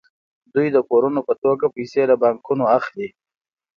دوی د پورونو په توګه پیسې له بانکونو اخلي